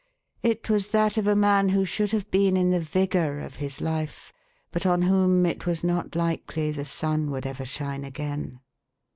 It was that of a man, who should have been in the vigour of his life, but on whom it was not likely the sun would ever shine again.